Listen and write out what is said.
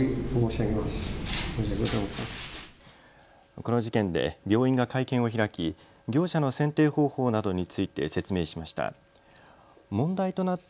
この事件で病院が会見を開き業者の選定方法などについて説明しました。